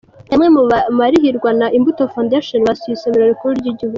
Bamwe mu barihirwa na Imbuto Foundation, basuye Isomero Rikuru ry’Igihugu